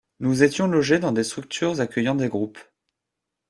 Nous étions logés dans des structures accueillant des groupes